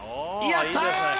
やったー！